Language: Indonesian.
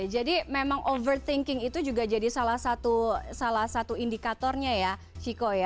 jadi memang overthinking itu juga jadi salah satu indikatornya ya shiko ya